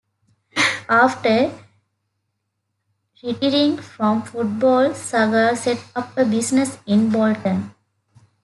After retiring from football, Sagar set up a business in Bolton.